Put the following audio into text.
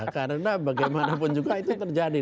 karena bagaimanapun juga itu terjadi